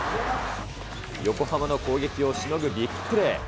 横浜の攻撃をしのぐビッグプレー。